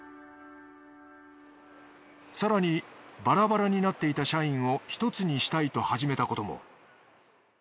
更にバラバラになっていた社員を一つにしたいと始めたことも。